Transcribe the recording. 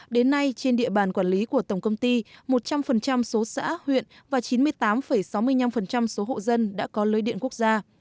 đến nay trên địa bàn quản lý của tổng công ty một trăm linh số xã huyện và chín mươi tám sáu mươi năm số hộ dân đã có lưới điện quốc gia